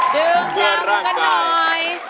ดื่มดำพุกันหน่อย